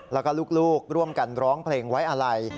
แล้วก็ลูกร่วมกันร้องเพลงไว้อะไร